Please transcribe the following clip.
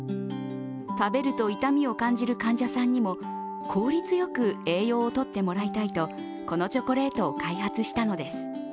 食べると痛みを感じる患者さんにも効率よく栄養を取ってもらいたいとこのチョコレートを開発したのです。